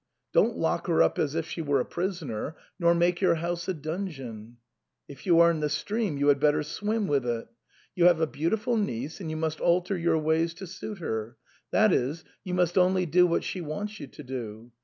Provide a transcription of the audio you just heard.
Don't lock her up as if she were a prisoner, nor make your house a dun geon. Asino punto convien che trotti (If you are in the stream, you had better swim with it) ; you have a beau tiful niece and you must alter your ways to suit her, that is, you must only do what she wants you to do.